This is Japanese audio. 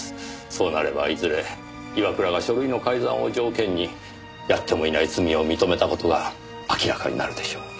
そうなればいずれ岩倉が書類の改ざんを条件にやってもいない罪を認めた事が明らかになるでしょう。